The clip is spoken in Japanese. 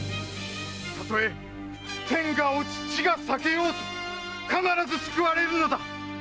たとえ天が落ち地が裂けようと必ず救われるのだ！